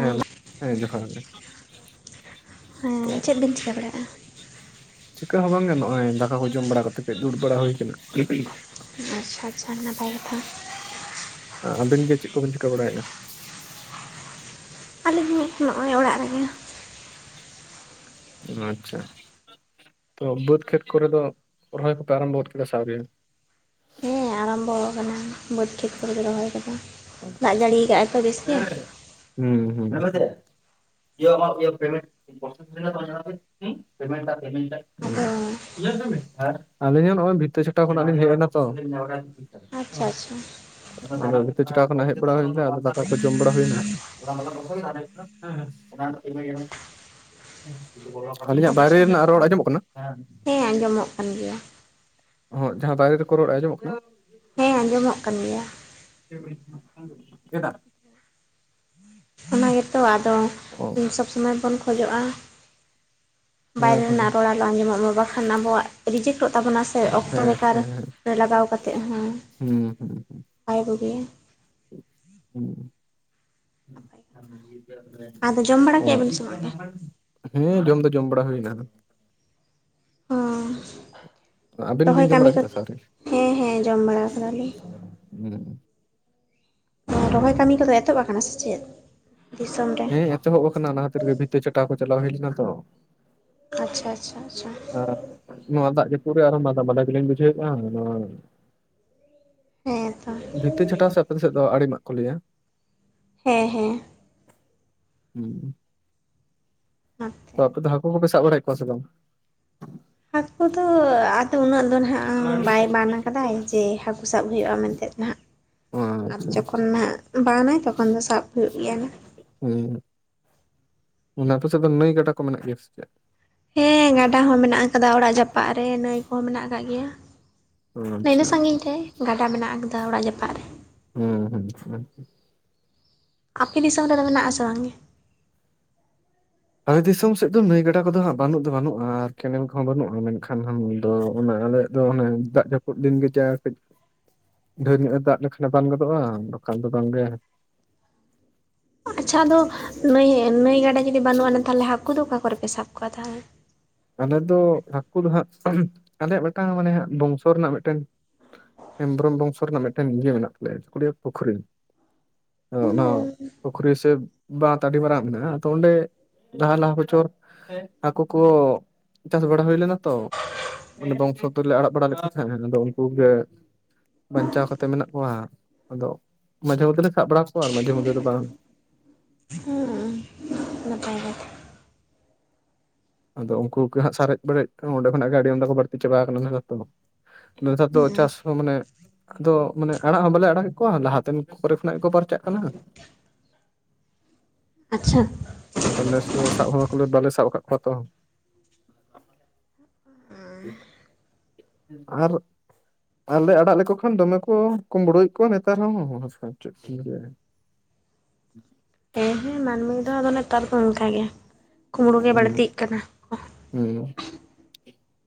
ᱦᱮᱸ ᱱᱟᱜ ᱦᱮᱸ ᱡᱚᱦᱟᱨ ᱜᱮ ᱾ ᱦᱮᱸ, ᱪᱮᱫ ᱵᱤᱱ ᱪᱤᱠᱟᱹ ᱵᱟᱲᱟᱜᱼᱟ? ᱪᱤᱠᱟ ᱦᱚᱸ ᱵᱟᱝ ᱜᱮ ᱱᱚᱜᱼᱟᱭ ᱫᱟᱠᱟ ᱠᱚ ᱡᱚᱢ ᱵᱟᱲᱟ ᱠᱟᱛᱮᱜ ᱠᱟᱹᱡ ᱫᱩᱲᱩᱵ ᱵᱟᱲᱟ ᱦᱳᱭ ᱠᱟᱱᱟ ᱷᱩ-ᱷᱩᱦ ᱾ ᱟᱪ-ᱪᱷᱟ ᱟᱪᱷᱟ, ᱱᱟᱯᱟᱭ ᱠᱟᱛᱷᱟ ᱾ ᱟᱵᱮᱱ ᱜᱮ ᱪᱮᱜ ᱠᱚ ᱵᱮᱱ ᱪᱤᱠᱟ ᱵᱟᱲᱟᱭᱮᱜᱼᱟ? ᱟᱞᱤᱧ ᱦᱚᱸ ᱱᱚᱜᱼᱚᱭ ᱚᱲᱟᱜ ᱨᱮᱜᱮ ᱾ ᱟᱪ-ᱪᱷᱟ ᱾ ᱛᱚ ᱵᱟᱹᱫᱽ ᱠᱷᱮᱛ ᱠᱚᱨᱮ ᱫᱚ ᱨᱚᱦᱚᱭ ᱠᱚᱯᱮ ᱟᱨᱟᱢᱵᱚ ᱜᱚᱫ ᱠᱮᱫᱟ ᱥᱮ ᱟᱣᱨᱤ? ᱟᱨᱟᱢᱵ ᱚ ᱟᱠᱟᱱᱟ ᱵᱟᱹᱫᱽ ᱠᱷᱮᱛ ᱠᱚᱨᱮ ᱨᱚᱦᱚᱭ ᱠᱟᱫᱟ ᱾ ᱦᱮᱸ ᱦᱩᱸ ᱦᱩᱸ [unintelligible] ᱾ [unintelligible] ᱾ ᱟᱫᱚ ᱟᱸᱡᱚᱢᱮᱫᱟ ᱵᱤᱱ ᱦᱮᱸᱦ, ᱟᱹᱞᱤᱧ ᱦᱚᱸ ᱱᱚᱜᱼᱚᱭ ᱵᱷᱤᱛᱟᱹ ᱪᱷᱚᱴᱟᱣ ᱠᱷᱚᱱᱟᱜ ᱞᱤᱧ ᱦᱮᱡ ᱮᱱᱟ ᱛᱚ ᱟᱪ-ᱪᱷᱟ ᱟᱪ-ᱪᱷᱟ ᱾ ᱟᱫᱚ ᱱᱤᱭᱟᱹ ᱪᱷᱟᱲᱟᱣ ᱠᱷᱚᱱᱟᱜ ᱦᱮᱡ ᱵᱟᱲᱟ ᱦᱳᱭᱱᱟ ᱟᱫᱚ ᱫᱟᱠᱟ ᱠᱚ ᱡᱚᱢ ᱵᱟᱲᱟ ᱦᱳᱭᱱᱟ ᱾ ᱜᱟᱸᱲᱛᱤ ᱦᱳᱭᱳ ᱾ ᱪᱟᱜ, ᱟᱹᱞᱤᱧᱟᱜ ᱵᱟᱭᱨᱮ ᱟᱪᱪᱷᱟ ᱨᱮᱱᱟᱜ ᱨᱚᱲ ᱟᱸᱡᱚᱢᱚᱜ ᱠᱟᱱᱟ? ᱦᱮᱸ ᱟᱸᱡᱚᱢᱚᱜ ᱠᱟᱱ ᱜᱮᱭᱟ ᱾ ᱦᱚᱭ ᱡᱟᱦᱟᱸ ᱫᱟᱨᱮᱹ ᱨᱮᱠᱚ ᱨᱚᱲ ᱟᱸᱡᱚᱢᱚᱜ ᱠᱟᱱᱟ? ᱦᱩᱸ ᱾ ᱦᱮᱸ ᱟᱸᱡᱚᱢᱚᱜ ᱠᱟᱱ ᱜᱮᱭᱟ ᱾ ᱪᱮᱜ ᱮᱢ ᱞᱟᱭᱮᱜ ᱛᱟᱸᱦᱮᱜ ᱠᱟᱱ, ᱪᱮᱫᱟᱜ? ᱸ ᱚᱱᱟ ᱜᱮᱛᱚ ᱟᱫᱚ ᱚ ᱥᱚᱵᱽ ᱥᱚᱢᱚᱭ ᱵᱚᱱ ᱠᱷᱚᱡᱚᱜᱼᱟ ᱦᱮᱸ ᱵᱟᱭᱨᱮ ᱦᱮᱸ ᱨᱮᱱᱟᱜ ᱨᱚᱲ ᱟᱞᱚ ᱟᱸᱡᱚᱢᱚᱜ ᱢᱟ ᱵᱟᱠᱷᱟᱱ ᱟᱵᱚᱣᱟᱜ ᱨᱤᱡᱮᱠᱴᱚᱜ ᱛᱟᱵᱚᱱᱟ ᱥᱮ ᱾ ᱥᱮ ᱚᱠᱛᱚ ᱦᱮᱸ ᱵᱮᱠᱟᱨ ᱨᱮ ᱞᱟᱜᱟᱣ ᱠᱟᱛᱮᱜ ᱦᱚᱸ ᱦᱩᱸ ᱵᱟᱭ ᱵᱩᱜᱤᱭᱟ ᱾ ᱦᱩᱸ ᱾ [unintelligible] ᱟᱫᱚ ᱡᱚᱢ ᱵᱟᱲᱟ ᱠᱮᱜᱼᱟ ᱵᱤᱱ ᱥᱮ ᱵᱟᱝᱜᱮ? ᱦᱩᱸ ᱡᱚᱢ ᱫᱚ ᱡᱚᱢ ᱵᱟᱲᱟ ᱦᱩᱭᱱᱟ ᱾ ᱦᱚᱸ ᱟᱵᱮᱱ ᱵᱤᱱ ᱨᱚᱦᱚᱭ ᱡᱚᱢ ᱠᱟᱹᱢᱤ ᱵᱟᱲᱟ ᱠᱚ ᱠᱮᱫᱟ ᱥᱮ ᱟᱹᱣᱨᱤ? ᱦᱮᱸ ᱦᱮᱸ ᱡᱚᱢ ᱵᱟᱲᱟ ᱟᱠᱟᱫᱟᱞᱤᱧ ᱾ ᱦᱩᱸ ᱨᱚᱦᱚᱭ ᱠᱟᱹᱢᱤ ᱠᱚᱫᱚ ᱮᱛᱚᱦᱚᱵ ᱟᱠᱟᱱᱟ ᱥᱮ ᱪᱮᱫ? ᱫᱤᱥᱚᱢ ᱨᱮ ᱦᱮᱸ ᱮᱛᱚᱦᱚᱵ ᱟᱠᱟᱱᱟ ᱱᱟᱦᱟᱛᱮ ᱨᱮᱜᱮ ᱵᱷᱤᱛᱤᱨ ᱪᱟᱴᱟ ᱠᱚ ᱪᱟᱞᱟᱣ ᱦᱮᱡ ᱞᱮᱱᱟ ᱛᱚ ᱟᱪᱪᱷᱟ ᱟᱪᱪᱷᱟ ᱟᱪᱪᱷᱟ ᱱᱚᱣᱟ ᱫᱟᱜ ᱡᱟ. ᱯᱩᱫ ᱟᱨᱦᱚ ᱢᱟᱫᱟ ᱢᱟᱫᱟ ᱜᱮᱞᱤᱧ ᱵᱩᱡᱷᱟᱹᱣᱮᱫᱼᱟ ᱟᱫᱚ ᱦᱮᱸ ᱛᱚ ᱵᱷᱤᱛᱟ. ᱪᱷᱟᱴᱟᱣ ᱥᱮ ᱟᱯᱮ ᱥᱮᱫ ᱫᱚ ᱟᱲᱮᱢᱟᱜ ᱠᱚ ᱞᱟᱹᱭᱟ? ᱦᱮᱸ ᱦᱮᱸ ᱦᱩᱸ ᱛᱚ ᱚᱱᱟᱛᱮ ᱟᱯᱮ ᱫᱚ ᱦᱟᱹᱠᱩ ᱠᱚᱯᱮ ᱥᱟᱵ ᱵᱟᱲᱟᱭᱮᱫ ᱠᱚᱣᱟ ᱥᱮ ᱵᱟᱝ ᱦᱠᱩ ᱫᱚ ᱟᱫᱚ ᱩᱱᱟᱹᱜ ᱟᱫᱚ ᱱᱟᱦᱟᱜ ᱵᱟᱭ ᱵᱟᱱ ᱟᱠᱟᱫᱟᱭ ᱡᱮ ᱦᱟᱹᱠᱩ ᱥᱟᱵ ᱦᱩᱭᱩᱜᱼᱟ ᱢᱮᱱᱛᱮᱫ ᱱᱟᱜ ᱚ ᱟᱫ ᱟᱪᱪᱷᱟ ᱡᱚᱠᱷᱚᱱ ᱱᱟᱦᱟᱜ ᱵᱟᱱᱟᱭ ᱛᱚᱠᱷᱚᱱ ᱫᱚ ᱥᱟᱵ ᱦᱩᱭᱩᱜ ᱜᱮᱭᱟ ᱱᱟ ᱩ ᱚᱱᱟ ᱯᱟᱥᱮᱫ ᱫᱚ ᱱᱟᱹᱭ ᱜᱟᱰᱟ ᱠᱚ ᱢᱮᱱᱟᱜ ᱜᱮᱭᱟ ᱥᱮ ᱪᱮᱫ ᱦᱮᱸ ᱜᱟᱰᱟ ᱦᱚᱸ ᱢᱮᱱᱟᱜ ᱟᱠᱟᱫᱟ ᱚᱲᱟᱜ ᱡᱟᱯᱟᱜᱫ ᱨᱮ ᱱᱟᱹᱭ ᱠᱚᱦᱚᱸ ᱢᱮᱱᱟᱜ ᱟᱠᱟᱫ ᱜᱮᱭᱟ᱾ ᱚ ᱤᱱᱟᱹ ᱟᱪᱪᱷᱟ ᱥᱟᱺᱜᱤᱧ ᱨᱮ ᱜᱟᱰᱟ ᱢᱮᱱᱟᱜ ᱟᱠᱟᱫᱟ ᱚᱲᱟᱜ ᱡᱟᱯᱟᱜᱫ ᱨᱮ ᱦᱩᱸ ᱦᱩᱸ ᱦᱩᱸ ᱟᱯᱮ ᱫᱤᱥᱚᱢ ᱨᱮᱫᱚ ᱢᱮᱱᱟᱜ ᱟᱥᱮ ᱵᱟᱝᱜᱮ? ᱟᱞᱮ ᱫᱤᱥᱚᱢ ᱥᱮᱫ ᱫᱚ ᱱᱟᱹᱭ ᱜᱟᱰᱟ ᱠᱚᱫᱚ ᱦᱟᱸᱜ ᱵᱟᱹᱱᱩᱜ ᱫᱚ ᱵᱟᱹᱱᱩᱜᱼᱟ ᱟᱨ ᱠᱮᱱᱮᱞ ᱠᱚᱦᱚᱸ ᱵᱟᱹᱱᱩᱜᱼᱟ ᱢᱮᱱᱠᱷᱟᱱ ᱦ ᱫᱚ ᱚᱱᱟ ᱟᱞᱮ ᱫᱚ ᱚᱱᱮ ᱫᱟᱜ ᱡᱟᱹᱯᱩᱫ ᱫᱤᱱ ᱜᱮ ᱡᱮ ᱠᱟᱹᱡ ᱰᱷᱮᱨ ᱧᱚᱜ ᱮ ᱫᱟᱜ ᱞᱮᱠᱷᱟᱱᱮ ᱵᱟᱝ ᱜᱚᱫᱚᱜᱼᱟ ᱵᱟᱠᱷᱟᱱ ᱫᱚ ᱵᱟᱝᱜᱮ ᱟᱪᱪᱷᱟ ᱟᱫᱚ ᱱᱟᱹᱭ ᱱᱟᱹᱭ ᱜᱟᱰᱟ ᱡᱩᱫᱤ ᱵᱟᱹᱱᱩᱜ ᱟᱱ ᱛᱟᱦᱚᱞᱮ ᱦᱟᱹᱠᱩ ᱫᱚ ᱚᱠᱟ ᱠᱚᱨᱮ ᱯᱮ ᱥᱟᱵ ᱠᱚᱣᱟ ᱛᱟᱦᱚᱞᱮ ᱟᱞᱮ ᱫᱚ ᱦᱟᱹᱠᱩ ᱫᱚ ᱦᱟᱸᱜ ᱟᱞᱮᱭᱟᱜ ᱢᱤᱫᱴᱟᱝ ᱢᱟᱱᱮ ᱦᱟᱸᱜ ᱵᱚᱝᱥᱚ ᱨᱮᱱᱟᱜ ᱢᱤᱫᱴᱮᱱ ᱦᱮᱢᱵᱨᱚᱢ ᱵᱚᱝᱥᱚ ᱨᱮᱱᱟᱜ ᱢᱤᱫᱴᱮᱱ ᱤᱭᱟᱹ ᱢᱮᱱᱟᱜ ᱛᱟᱞᱮᱭᱟ ᱪᱮᱫᱠᱚ ᱞᱟ. ᱭᱟ ᱯᱩᱠᱷᱨᱤ ᱟᱫᱚ ᱚᱱᱟ ᱦᱩᱸ ᱯᱩᱠᱷᱨᱤ ᱥᱮ ᱵᱟᱸᱛ ᱟᱵᱤ ᱢᱟᱨᱟᱝ ᱢᱮᱱᱟᱜᱼᱟ ᱟᱫᱚ ᱚᱸᱰᱮ ᱫᱟᱜ ᱞᱟᱦᱟ ᱵᱚᱪᱷᱚᱨ ᱦᱟᱠᱩ ᱠᱚ ᱪᱟᱥ ᱵᱟᱲᱟ ᱦᱩᱭ ᱞᱮᱱᱟ ᱛᱚ ᱵᱚᱝᱥ ᱛᱩᱞᱮ ᱟᱲᱟᱜ ᱵᱟᱲᱟ ᱞᱮ ᱛᱟᱦᱮᱸᱱᱟ ᱟᱫᱚ ᱩᱱᱠᱩᱜᱮ ᱵᱟᱧᱪᱟᱣ ᱠᱟᱛᱮᱫ ᱢᱮᱱᱟᱜ ᱠᱚᱣᱟ ᱟᱫᱚ ᱢᱟᱡᱷᱮ ᱢᱚᱫᱽᱫᱷᱮ ᱞᱮ ᱥᱟᱵ ᱵᱟᱲᱟ ᱠᱚᱣᱟ ᱢᱟᱡᱷᱮ ᱢᱚᱫᱽᱫᱷᱮ ᱫᱚ ᱵᱟᱝ ᱦᱮᱸ ᱱᱟᱯᱟᱭ ᱜᱮ ᱟᱫᱚ ᱩᱱᱠᱩ ᱠᱚ ᱦᱟᱸᱜ ᱥᱟᱨᱮᱡ ᱵᱟᱹᱨᱮᱡ ᱚᱸᱰᱮᱚᱱᱟᱜ ᱜᱮ ᱟᱹᱰᱤ ᱟᱢᱫᱟ ᱠᱚ ᱵᱟᱹᱲᱛᱤ ᱪᱟᱵᱟ ᱠᱟᱱᱟᱛᱚ ᱫᱚ [unintelligible] ᱫᱟᱜ ᱫᱚ ᱦᱩᱸ ᱪᱟᱥ ᱟᱫᱚ ᱢᱟᱱᱮ ᱟᱫᱚ ᱢᱟᱱᱮ ᱟᱲᱟᱜ ᱦᱚᱸ ᱵᱟᱞᱮ ᱟᱲᱟᱜᱮᱫ ᱠᱚᱣᱟ ᱞᱟᱦᱟᱛᱮᱱ ᱠᱚᱨᱮ ᱠᱷᱚᱱᱟᱜ ᱜᱮᱠᱚ ᱯᱟᱨᱪᱟᱜ ᱠᱟᱱᱟ᱾ ᱟᱪᱪᱷᱟ ᱟᱫᱚ ᱱᱮᱥ ᱫᱚ ᱥᱟᱵ ᱦᱚᱸ ᱵᱟᱞᱮ ᱥᱟᱵ ᱟᱠᱟᱫ ᱠᱚᱣᱟ ᱛᱚ ᱟᱨ ᱟᱨᱞᱮ ᱟᱲᱟᱜ ᱞᱮᱠᱚ ᱠᱷᱟᱱ ᱫᱚᱢᱮ ᱠᱚ ᱠᱩᱢᱵᱽᱲᱩᱭᱣᱮᱫ ᱠᱚᱣᱟ ᱱᱮᱛᱟᱨ ᱦᱚᱸ [unintelligible] ᱦᱮᱸ ᱦᱮᱸ ᱢᱟᱹᱱᱢᱤ ᱫᱚ ᱟᱫᱚ ᱱᱮᱛᱟᱨ ᱫᱚ ᱚᱱᱠᱟ ᱜᱮ ᱠᱩᱢᱵᱽᱲᱩ ᱜᱮ ᱦᱩᱸ ᱵᱟᱹᱲᱛᱤᱜ ᱠᱟᱱᱟ ᱠᱚ ᱦᱩᱸ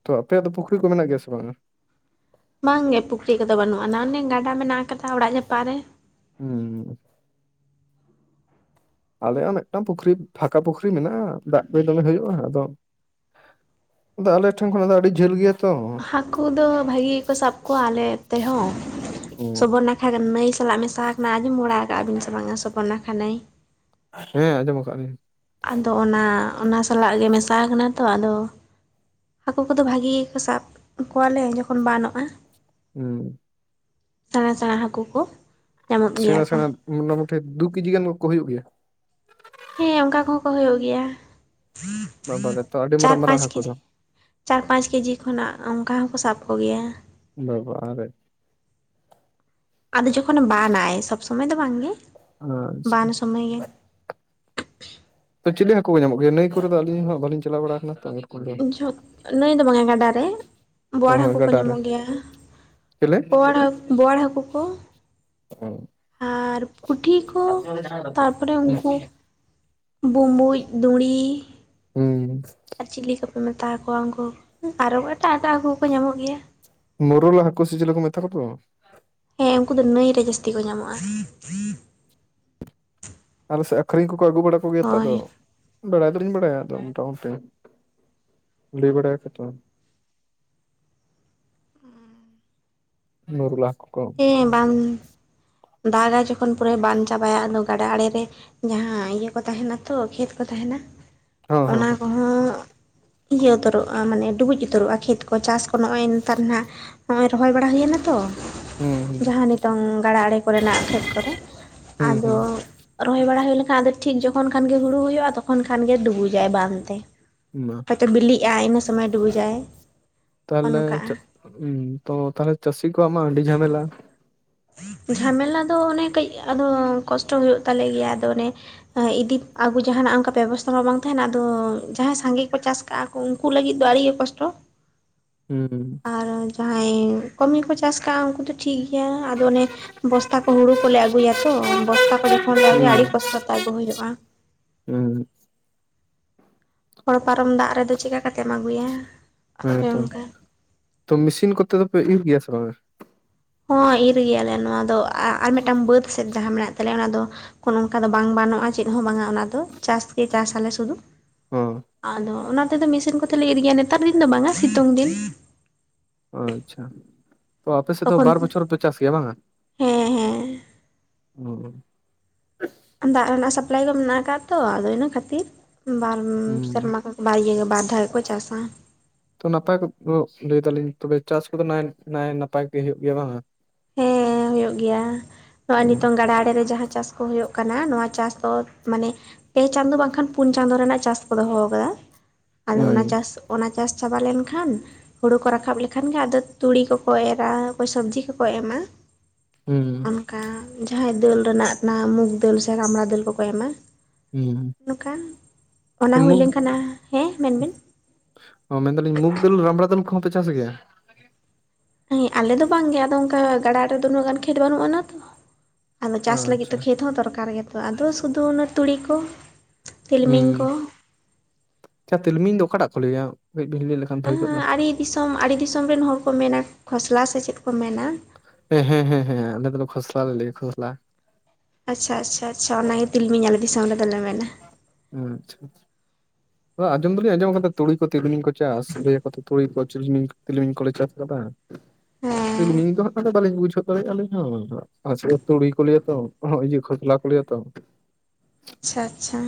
ᱛᱚ ᱟᱯᱮᱭᱟᱜ ᱫᱚ ᱯᱩᱠᱷᱨᱤ ᱠᱚ ᱢᱮᱱᱟᱜ ᱜᱮᱭᱟ ᱥᱮ ᱵᱟᱝᱼᱟ ᱵᱟᱝ ᱜᱮ ᱯᱩᱠᱷᱨᱤ ᱠᱚᱫᱚ ᱵᱟᱹᱱᱩᱜ ᱟᱱᱟ ᱚᱱᱮ ᱜᱟᱰᱟ ᱢᱮᱱᱟᱜ ᱟᱠᱟᱫᱟ ᱚᱲᱟᱜ ᱡᱟᱯᱟᱜ ᱨᱮ ᱦᱩᱸ ᱦᱩᱸ ᱟᱞᱮᱭᱟᱜ ᱦᱚᱸ ᱢᱤᱫᱴᱟᱝ ᱯᱩᱠᱷᱨᱤ ᱯᱷᱟᱸᱠᱟ ᱯᱩᱠᱷᱨᱤ ᱢᱮᱱᱟᱜᱼᱟ ᱫᱟᱜ ᱠᱚ ᱫᱚᱢᱮ ᱦᱩᱭᱩᱜᱼᱟ ᱟᱫᱚ ᱟᱫᱚ ᱟᱞᱮ ᱴᱷᱮᱱ ᱠᱷᱚᱱᱟᱜ ᱫᱚ ᱟᱹᱰᱤ ᱡᱷᱟᱹᱞ ᱜᱮᱭᱟ ᱛᱚ ᱦᱟᱹᱠᱩ ᱫᱚ ᱵᱷᱟᱜᱤ ᱜᱮ ᱠᱚ ᱥᱟᱵ ᱠᱚᱣᱟ ᱟᱞᱮ ᱛᱮᱦᱚᱸ ᱥᱚᱵᱚᱨ ᱱᱟ [unintelligible] ᱱᱟᱹᱭ ᱥᱟᱞᱟᱜ ᱢᱮᱥᱟ ᱠᱟᱱᱟ, ᱟᱸᱡᱚᱢ ᱵᱟᱲᱟ ᱠᱟᱜᱟ ᱵᱤᱱ ᱥᱮ ᱵᱟᱝᱟ ᱥᱚᱵᱚᱨᱱᱟᱠᱷᱟ ᱱᱟᱹᱭ? ᱦᱮᱸ ᱟᱸᱡᱚᱢ ᱠᱟᱜᱟ ᱞᱤᱧ᱾ ᱟᱫᱚ ᱚᱱᱟ ᱚᱱᱟ ᱥᱟᱞᱟᱜ ᱜᱮ ᱢᱮᱥᱟ ᱠᱟᱱᱟ ᱛᱚ ᱟᱫᱚ ᱦᱟᱹᱠᱩ ᱠᱚᱫᱚ ᱵᱷᱟᱜᱮ ᱜᱮᱠᱚ ᱥᱟᱵ ᱠᱚᱣᱟᱞᱮ ᱡᱚᱠᱷᱚᱱ ᱵᱟᱱᱚᱜ-ᱟ᱾ ᱦᱩᱸ ᱥᱮᱬᱟ ᱥᱮᱬᱟ ᱦᱟᱹᱠᱩ ᱠᱚ᱾ ᱧᱟᱢᱚᱜ ᱥᱮᱬᱟ ᱜᱮᱭᱟ ᱠᱚ ᱥᱮᱬᱟ ᱢᱳᱴᱟ ᱢᱩᱴᱤ ᱫᱩ ᱠᱮᱡᱤ ᱜᱟᱱ ᱠᱚ ᱦᱩᱭᱩᱜ ᱜᱮᱭᱟ? ᱦᱮᱸ ᱚᱝᱠᱟ ᱠᱚᱦᱚᱸ ᱠᱚ ᱦᱳᱭᱳᱜ ᱜᱮᱭᱟ, ᱵᱟᱵᱟᱨᱮ ᱛᱚ ᱟᱹᱰᱤ ᱪᱟᱨ ᱢᱟᱨᱟᱝ ᱢᱟᱨᱟᱝ ᱯᱟᱸᱪ ᱦᱟᱹᱠᱩ ᱠᱮᱡᱤ᱾ ᱫᱚ ᱪᱟᱨ ᱯᱟᱸᱪ ᱠᱮᱡᱤ ᱠᱷᱚᱱᱟᱜ ᱚᱝᱠᱟ ᱦᱚᱸᱠᱚ ᱥᱟᱵ ᱠᱚᱜᱮᱭᱟ᱾ ᱵᱮᱵᱚᱦᱟᱨᱮᱜ ᱟᱫᱚ ᱡᱚᱠᱷᱚᱱᱮ ᱵᱟᱱᱟᱭ ᱥᱚᱵᱽ ᱥᱳᱢᱳᱭ ᱫᱚ ᱵᱟᱝ ᱜᱮ᱾ ᱟᱪᱷᱟ ᱛᱚ ᱪᱤᱞᱤ ᱦᱟᱹᱠᱩ ᱠᱚ ᱧᱟᱢᱚᱜ ᱜᱮᱭᱟ ᱱᱟᱹᱭ ᱠᱚᱨᱮ ᱫᱚ ᱟᱹᱞᱤᱧ ᱦᱚᱸ ᱵᱟᱹᱞᱤᱧ ᱪᱟᱞᱟᱣ ᱵᱟᱲᱟ ᱠᱟᱱᱟ ᱛᱚ? ᱮᱨᱚᱠᱚᱢ ᱫᱚ᱾ ᱡᱷᱚᱛ ᱱᱟᱹᱭ ᱫᱚ ᱵᱟᱝᱮ ᱜᱟᱰᱟ ᱨᱮ᱾ ᱚ ᱵᱳᱣᱟᱲ ᱦᱳᱭ ᱦᱟᱹᱠᱩ ᱠᱚ ᱜᱟᱰᱟ ᱨᱮ ᱧᱟᱢᱚᱜ ᱜᱮᱭᱟ ᱪᱮᱞᱮ ᱵᱳᱣᱟᱲ ᱦᱟᱹᱠ ᱵᱳᱣᱟᱲ ᱦᱟᱹᱠᱩ ᱠᱚ᱾ [inaudible] ᱟᱨ ᱯᱩᱴᱷᱤ ᱠᱚ ᱛᱟᱨᱯᱚᱨᱮ ᱩᱝᱠᱩ ᱵᱩᱵᱩᱡ ᱫᱩᱲᱤ ᱦᱩᱸ ᱟᱨ ᱪᱤᱞᱤ ᱠᱚᱯᱮ ᱢᱮᱛᱟᱣ ᱟᱠᱚᱣᱟ ᱩᱝᱠᱩ ᱟᱨᱚ ᱮᱴᱟᱜ ᱮᱴᱟᱜ ᱦᱟᱹᱠᱩ ᱠᱚᱠᱚ ᱧᱟᱢᱚᱜ ᱜᱮᱭᱟ᱾ ᱢᱳᱨᱳᱞᱟ ᱦᱟᱹᱠᱩ ᱥᱤ ᱪᱮᱞᱮ ᱠᱚ ᱢᱮᱛᱟ ᱠᱚ ᱫᱚ? ᱦᱮᱸ ᱩᱝᱠᱩ ᱫᱚ ᱱᱟᱹᱭ ᱨᱮ ᱡᱟᱹᱥᱛᱤ ᱠᱚ ᱧᱟᱢᱚᱜ-ᱟ᱾ ᱟᱞᱮ ᱥᱮᱫ ᱟᱹᱠᱷᱨᱤᱧ ᱠᱚᱠᱚ ᱟᱹᱜᱩ ᱵᱟᱲᱟ ᱠᱚᱜᱮᱭᱟ ᱛᱚ ᱟᱫᱚ ᱦᱳᱭ ᱵᱟᱲᱟᱭ ᱫᱚᱞᱤᱧ ᱵᱟᱲᱟᱭᱟ ᱟᱫᱚ ᱢᱚᱴᱟ ᱢᱩᱴᱤ ᱞᱟᱹᱭ ᱵᱟᱲᱟᱭ ᱟᱠᱳ ᱛᱚ᱾ ᱱᱳᱨᱳᱞᱟ ᱦᱟᱹᱠᱳ ᱠᱚ᱾ ᱦᱮᱸ ᱵᱟᱱ ᱫᱟᱜᱟᱭ ᱡᱚᱠᱷᱚᱱ ᱯᱩᱨᱟᱹᱭ ᱵᱟᱱ ᱪᱟᱵᱟᱭᱟ ᱟᱫᱚ ᱜᱟᱰᱟ ᱟᱲᱮ ᱨᱮ ᱡᱟᱦᱟᱸ ᱤᱭᱟᱹ ᱠᱚ ᱛᱟᱦᱮᱱᱟ ᱛᱚ ᱠᱷᱮᱛ ᱠᱚ ᱛᱟᱦᱮᱱᱟ ᱦᱚᱸ ᱦᱚᱸ ᱚᱱᱟ ᱠᱚᱦᱚᱸ ᱤᱭᱟᱹ ᱩᱛᱟᱹᱨᱚᱜ-ᱟ ᱢᱟᱱᱮ ᱰᱩᱵᱩᱡ ᱩᱛᱟᱹᱨᱚᱜ-ᱟ ᱠᱷᱮᱛ ᱠᱚ ᱪᱟᱥ ᱠᱚ ᱱᱚᱜᱚᱭ ᱱᱮᱛᱟᱨ ᱱᱟᱜ ᱡᱚᱜᱚᱭ ᱨᱚᱦᱚᱭ ᱵᱟᱲᱟ ᱦᱩᱭᱱᱟ ᱛᱚ ᱦᱚᱸ ᱦᱩᱸ ᱡᱟᱦᱟᱸ ᱱᱤᱛᱳᱝ ᱜᱟᱰᱟ ᱟᱲᱮ ᱠᱚᱨᱮᱱᱟᱜ ᱠᱷᱮᱛ ᱠᱚᱨᱮ ᱦᱩᱸ ᱟᱫᱚ ᱦᱩᱸ ᱨᱚᱦᱚᱭ ᱵᱟᱲᱟ ᱦᱩᱭ ᱞᱮᱠᱷᱟᱱ ᱟᱫᱚ ᱴᱷᱤᱠ ᱡᱚᱠᱷᱚᱱ ᱠᱷᱟᱱ ᱜᱮ ᱦᱩᱲᱩ ᱦᱩᱭᱩᱜ-ᱟ ᱛᱚᱠᱷᱚᱱ ᱠᱷᱟᱱ ᱜᱮ ᱰᱩᱵᱩᱡᱟᱭ ᱵᱟᱱ ᱛᱮ᱾ [inaudible] ᱦᱳᱭᱛᱚ ᱵᱤᱞᱤᱜᱟᱭ ᱤᱱᱟᱹ ᱥᱳᱢᱳᱭ ᱰᱩᱵᱩᱡᱟᱭ᱾ ᱛᱟᱦᱟᱞᱮ ᱚᱱᱠᱟᱜᱼᱟ ᱛᱚ ᱛᱟᱞᱦᱮ ᱪᱟᱹᱥᱤ ᱠᱚᱣᱟᱜ ᱢᱟ ᱟᱹᱰᱤ ᱡᱷᱟᱢᱮᱞ-ᱟ᱾ ᱡᱷᱟᱢᱮᱞᱟ ᱫᱚ ᱚᱱᱮ ᱠᱟᱹᱡ ᱟᱫᱚ ᱠᱚᱥᱴᱚ ᱦᱳᱭᱳᱜ ᱛᱟᱞᱮ ᱜᱮᱭᱟ ᱟᱫᱚ ᱚᱱᱮ ᱤᱫᱤ ᱟᱹᱜᱩ ᱡᱟᱦᱟᱱᱟᱜ ᱚᱝᱠᱟ ᱵᱮᱵᱚᱥᱛᱟ ᱢᱟ ᱵᱟᱝ ᱛᱟᱦᱮᱱᱟ, ᱟᱫᱚ ᱡᱟᱦᱟᱸᱭ ᱥᱟᱸᱜᱮ ᱠᱚ ᱪᱟᱥ ᱠᱟᱜ-ᱟ ᱩᱝᱠᱩ ᱞᱟᱹᱜᱤᱫ ᱫᱚ ᱟᱹᱲᱤᱜᱮ ᱠᱚᱥᱴᱚ᱾ ᱦᱩᱸ ᱟᱨ ᱡᱟᱦᱟᱸᱭ ᱠᱚᱢᱤ ᱠᱚ ᱪᱟᱥ ᱠᱟᱜᱟ ᱩᱝᱠᱩ ᱫᱚ ᱴᱷᱤᱠ ᱜᱮᱭᱟ᱾ ᱫᱚ ᱚᱱᱮ ᱵᱚᱥᱛᱟ ᱠᱚ ᱦᱩᱲᱩ ᱠᱚᱞᱮ ᱟᱹᱜᱩᱭᱟ ᱛᱚ ᱵᱚᱥᱛᱟ ᱠᱚ ᱡᱚᱠᱷᱚᱱ ᱞᱮ ᱦᱩᱸ ᱟᱹᱜᱩᱭᱟ ᱟᱹᱰᱤ ᱠᱚᱥᱴᱚ ᱛᱮ ᱟᱹᱜᱩ ᱦᱳᱭᱳᱜ-ᱟ᱾ ᱦᱩᱸ ᱦᱚᱲ ᱯᱟᱨᱚᱢ ᱫᱟᱜ ᱨᱮᱫᱚ ᱪᱮᱠᱟ ᱠᱟᱛᱮᱢ ᱟᱹᱜᱩᱭ-ᱟ᱾ ᱟᱯᱮ ᱦᱮᱸᱛᱚ ᱚᱱᱠᱟ ᱛᱚ ᱢᱤᱥᱤᱱ ᱠᱚᱛᱮ ᱫᱚᱯᱮ ᱤᱨ ᱜᱮᱭᱟ ᱥᱮ ᱵᱟᱝᱟ? ᱦᱚᱸ ᱤᱨ ᱜᱮᱭᱟᱞᱮ ᱱᱚᱣᱟ ᱫᱚ ᱟ ᱟᱨ ᱢᱮᱫᱴᱟᱱ ᱵᱟᱹᱫᱽ ᱥᱮᱫ ᱡᱟᱦᱟᱸ ᱢᱮᱱᱟᱜ ᱛᱟᱞᱮᱭᱟ ᱚᱱᱟ ᱫᱚ ᱠᱚ ᱱᱚᱝᱠᱟ ᱫᱚ ᱵᱟᱝ ᱵᱟᱱᱚᱜ-ᱟ ᱪᱮᱫ ᱦᱚᱸ ᱵᱟᱝᱟ ᱚᱱᱟ ᱫᱚ ᱪᱟᱥ ᱜᱮ ᱪᱟᱥ ᱟᱞᱮ ᱥᱩᱫᱷᱩ᱾ ᱦᱚᱸ ᱟᱫᱚ ᱚᱱᱟᱛᱮ ᱫᱚ ᱢᱮᱥᱤᱱ ᱠᱚᱛᱮᱞᱮ ᱤᱨ ᱜᱮᱭᱟ ᱱᱮᱛᱟᱨ ᱫᱤᱱ ᱫᱚ ᱵᱟᱝᱟ ᱥᱤᱛᱩᱝ ᱫᱤᱱ᱾ ᱟᱪᱪᱷᱟ ᱛᱚ ᱟᱯᱮ ᱥᱮᱫ ᱫᱚ ᱛᱚᱠᱷᱚᱱ ᱵᱟᱨ ᱵᱚᱪᱷᱚᱨ ᱯᱮ ᱪᱟᱥ ᱜᱮᱭᱟ ᱵᱟᱝᱟ? ᱦᱮᱸ ᱦᱩᱸ᱾ ᱫᱟᱜ ᱨᱮᱱᱟᱜ ᱥᱟᱯᱞᱟᱭ ᱫᱚ ᱢᱮᱱᱟᱜ ᱠᱟᱜ-ᱟ ᱛᱚ ᱟᱫᱚ ᱤᱱᱟᱹ ᱠᱷᱟᱹᱛᱤᱨ ᱵᱟᱨᱢ ᱥᱮᱨᱢᱟ ᱫᱚ ᱵᱟᱨ ᱤᱭᱟᱹ ᱜᱮ ᱵᱟᱨ ᱫᱷᱟᱣ ᱜᱮᱠᱚ ᱪᱟᱥᱟ᱾ ᱛᱚ ᱱᱟᱯᱟᱭ [unintelligible] ᱞᱟᱹᱭ ᱫᱟᱞᱤᱧ ᱛᱚᱵᱮ ᱪᱟᱥ ᱠᱚᱫᱚ ᱱᱟᱭ ᱱᱟᱯᱟᱭ ᱜᱮ ᱦᱩᱭᱩᱜ ᱜᱮᱭᱟ ᱵᱟᱝᱟ? ᱦᱮᱸ ᱦᱩᱭᱩᱜ ᱜᱮᱭᱟ, ᱱᱚᱜ-ᱚᱭ ᱱᱤᱛᱚᱝ ᱜᱟᱰᱟ ᱟᱲᱮ ᱨᱮ ᱡᱟᱦᱟᱸ ᱪᱟᱥ ᱠᱚ ᱦᱩᱭᱩᱜ ᱠᱟᱱᱟ ᱱᱚᱣᱟ ᱪᱟᱥ ᱫᱚ ᱢᱟᱱᱮ ᱯᱮ ᱪᱟᱸᱫᱳ ᱵᱟᱝᱠᱷᱟᱱ ᱯᱩᱱ ᱪᱟᱸᱫᱳ ᱨᱮᱱᱟᱜ ᱪᱟᱥ ᱠᱚ ᱫᱚᱦᱚ ᱟᱠᱟᱫᱟ ᱟᱫᱚ ᱚᱱᱟ ᱦᱩᱸ ᱪᱟᱥ ᱚᱱᱟ ᱪᱟᱥ ᱪᱟᱵᱟ ᱞᱮᱱᱠᱷᱟᱱ ᱦᱳᱲᱳ ᱠᱚ ᱨᱟᱠᱟᱵ ᱞᱮᱠᱷᱟᱱ ᱜᱮ ᱟᱫᱚ ᱛᱩᱲᱤ ᱠᱚᱠᱚ ᱮᱨᱟ ᱚᱠᱚᱭ ᱥᱚᱵᱽᱡᱤ ᱠᱚ ᱠᱚ ᱮᱢᱟ᱾ ᱦᱩᱸ᱾ ᱚᱱᱠᱟ ᱡᱟᱦᱟᱸᱭ ᱫᱟᱹᱞ ᱨᱮᱱᱟᱜ ᱱᱟ ᱢᱩᱜᱽ ᱫᱟᱹᱞ ᱥᱮ ᱨᱟᱢᱲᱟ ᱫᱟᱹᱞ ᱠᱚᱠᱚ ᱮᱢᱟ᱾ ᱦᱩᱸ ᱱᱚᱝᱠᱟ, ᱛᱚ ᱚᱱᱟ ᱦᱩᱭ ᱢᱩᱜᱽ ᱞᱮᱱᱠᱷᱟᱱᱟ, ᱦᱮᱸ ᱢᱮᱱᱵᱤᱱ᱾ ᱚ ᱢᱮᱱᱫᱟᱞᱤᱧ ᱢᱩᱜ ᱫᱟᱹᱞ ᱨᱟᱢᱵᱲᱟ ᱫᱟᱹᱞ ᱠᱚᱦᱚᱸ ᱯᱮ ᱪᱟᱥ ᱜᱮᱭᱟ? ᱦᱮᱸ ᱟᱞᱮ ᱫᱚ ᱵᱟᱝᱜᱮ ᱟᱫᱚ ᱚᱱᱠᱟ ᱜᱟᱰᱟ ᱟᱲᱮ ᱨᱮ ᱫᱚ ᱩᱱᱟᱹᱜ ᱜᱟᱱ ᱠᱷᱮᱛ ᱵᱟᱹᱱᱩᱜ ᱟᱱᱟ ᱛᱚ᱾ ᱟᱫᱚ ᱪᱟᱥ ᱞᱟᱹᱜᱤᱫ ᱟᱪᱪᱷᱟ ᱛᱮ ᱠᱷᱮᱛ ᱦᱚᱸ ᱫᱚᱨᱠᱟᱨ ᱜᱮᱛᱚ ᱟᱫᱚ ᱥᱩᱫᱩ ᱚᱱᱟ ᱛᱩᱲᱤ ᱠᱚ᱾ ᱦᱩᱸ ᱛᱤᱞᱢᱤᱧ ᱠᱚ᱾ ᱟᱪᱪᱷᱟ ᱛᱤᱞᱢᱤᱧ ᱫᱚ ᱚᱠᱟᱴᱟᱜ ᱠᱚ ᱞᱟᱹᱭᱟ ᱠᱟᱹᱡ ᱵᱤᱱ ᱞᱟᱹᱭ ᱞᱮᱠᱷᱟᱱ ᱵᱷᱟᱹᱜᱮ ᱠᱚᱜ ᱫᱚ᱾ ᱟᱲᱮ ᱫᱤᱥᱚᱢ ᱟᱹᱰᱤ ᱫᱤᱥᱚᱢ ᱨᱮᱱ ᱦᱚᱲ ᱠᱚ ᱢᱮᱱᱟ ᱠᱷᱚᱥᱞᱟ ᱥᱮ ᱪᱮᱫ ᱠᱚ ᱢᱮᱱᱟ᱾ ᱦᱮᱸ ᱦᱮᱸ ᱦᱮᱸ [unintelligible] ᱠᱷᱚᱥᱞᱟ ᱞᱮ ᱞᱟᱹᱭ ᱠᱷᱚᱥᱞᱟ᱾ ᱟᱪᱪᱷᱟ ᱟᱪᱪᱷᱟ ᱟᱪᱪᱷᱟ ᱚᱱᱟ ᱜᱮ ᱛᱤᱞᱢᱤᱧ ᱟᱞᱮ ᱫᱤᱥᱚᱢ ᱨᱮᱫᱚᱞᱮ ᱢᱮᱱᱟ᱾ ᱦᱮᱸ ᱟᱪᱪᱷᱟ ᱟᱪᱪᱷᱟ᱾ ᱟᱸᱡᱚᱢ ᱫᱚᱞᱤᱧ ᱟᱸᱡᱚᱢ ᱟᱠᱟᱫᱟ ᱛᱩᱲᱤ ᱠᱚ ᱛᱤᱞᱢᱤ ᱠᱚ ᱪᱟᱥ, ᱞᱟᱹᱭ ᱟᱠᱚ ᱛᱚ ᱛᱩᱲᱤ ᱠᱚ ᱪᱤᱞᱢᱤᱧ ᱛᱤᱞᱢᱤᱧ ᱠᱚᱞᱮ ᱪᱟᱥ ᱠᱟᱫᱟ᱾ ᱟᱫᱚ ᱦᱮᱸ ᱛᱤᱞᱢᱤᱧ ᱫᱚ ᱦᱟᱸᱜ ᱚᱱᱟᱫᱚ ᱵᱟᱹᱞᱤᱧ ᱵᱩᱡᱷᱟᱹᱣ ᱫᱟᱲᱮᱭᱟᱜ-ᱟ ᱟᱹᱞᱤᱧ ᱦᱚᱸ [inaudible] ᱛᱩᱲᱤ ᱠᱚ ᱞᱟᱹᱭᱟ ᱛᱚ [unintelligible] ᱤᱭᱟᱹ ᱠᱷᱚᱥᱞᱟ ᱠᱚ ᱞᱟᱹᱭᱟ ᱛᱚ᱾ ᱟᱪᱪᱷᱟ ᱟᱪᱪᱷᱟ᱾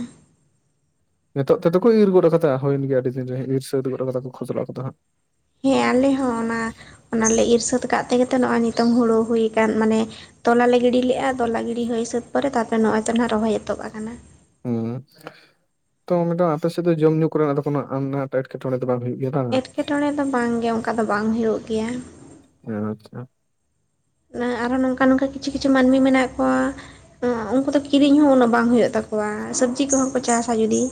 ᱱᱤᱛᱚᱜ ᱛᱮᱫᱚ ᱠᱚ ᱤᱨ ᱜᱚᱫ ᱠᱟᱫᱟ ᱦᱩᱭᱮᱱ ᱜᱮᱭᱟ ᱟᱹᱰᱤ ᱫᱤᱱ ᱨᱮ, ᱤᱨ ᱥᱟᱹᱛ ᱜᱚᱫ ᱠᱟᱫᱟ ᱠᱚ ᱠᱷᱚᱥᱞᱟ ᱠᱚᱫᱚ ᱦᱟᱸᱜ᱾ ᱦᱮᱸ ᱟᱞᱮ ᱦᱚᱸ ᱚᱱᱟ, ᱚᱱᱟᱞᱮ ᱤᱨ ᱥᱟᱹᱛ ᱠᱟᱜ ᱛᱮᱜᱮ ᱱᱚᱜᱼᱚᱭ ᱱᱤᱛᱚᱝ ᱦᱳᱲᱳ ᱦᱩᱭ ᱟᱠᱟᱱ ᱢᱟᱱᱮ ᱛᱚᱞᱟ ᱞᱮ ᱜᱤᱰᱤ ᱞᱮᱜ-ᱟ ᱛᱚᱞᱟ ᱜᱤᱰᱤ ᱦᱩᱭ ᱥᱟᱹᱛ ᱯᱚᱨᱮ ᱛᱟᱨᱯᱚᱨᱮ ᱱᱚᱜ-ᱚᱭ ᱛᱚ ᱱᱟᱦᱟᱜ ᱨᱚᱦᱚᱭ ᱮᱛᱚᱦᱚᱵ ᱟᱠᱟᱱᱟ᱾ ᱦᱩᱸ ᱛᱚ ᱢᱤᱫᱴᱟᱝ ᱟᱯᱮ ᱥᱮᱫ ᱫᱚ ᱡᱚᱢ ᱧᱩ ᱠᱚᱨᱮᱱᱟᱜ ᱫᱚ ᱠᱳᱱᱳ ᱟᱱᱟᱴ ᱴᱮᱴᱠᱮᱴᱚᱬᱮ ᱫᱚ ᱵᱟᱝ ᱦᱩᱭᱩᱜ ᱜᱮᱭᱟ ᱵᱟᱝ? ᱮᱴᱠᱮᱴᱚᱬᱮ ᱫᱚ ᱵᱟᱝ ᱜᱮ ᱚᱱᱠᱟ ᱫᱚ ᱵᱟᱝ ᱦᱩᱭᱩᱜ ᱜᱮᱭᱟ᱾ ᱟᱪᱪᱷᱟ᱾ ᱱᱟᱜ ᱟᱨᱦᱚᱸ ᱱᱚᱝᱠᱟ ᱱᱚᱝᱠᱟ ᱠᱤᱪᱷᱩ ᱠᱤᱪᱷᱩ ᱢᱟᱹᱱᱢᱤ ᱢᱮᱱᱟᱜ ᱠᱚᱣᱟ ᱩᱱᱠᱩ ᱫᱚ ᱠᱤᱨᱤᱧ ᱦᱚᱸ ᱩᱱᱳ ᱵᱟᱝ ᱦᱩᱭᱩᱜ ᱛᱟᱠᱚᱣᱟ, ᱥᱚᱵᱽᱡᱤ ᱠᱚᱦᱚᱸ ᱠᱚ ᱪᱟᱥ-ᱟ ᱡᱩᱫᱤ